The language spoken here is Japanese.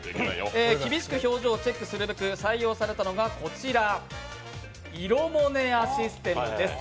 厳しく表情をチェックするべく採用されたのがこちら、イロモネアシステムです。